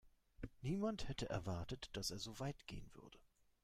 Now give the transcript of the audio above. Niemand hätte erwartet, dass er so weit gehen würde.